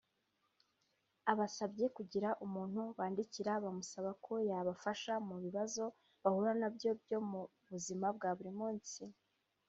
abasabye kugira umuntu bandikira bamusaba ko yabafasha mu bibazo bahura na byo mu buzima bwa buri munsi